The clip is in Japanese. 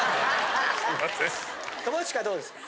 友近どうですか？